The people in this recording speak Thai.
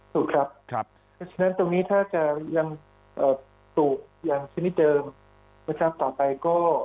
ถูกครับเพราะฉะนั้นตรงนี้ถ้าจะยังสูบอย่างชนิดเดิมนะครับต่อไปก็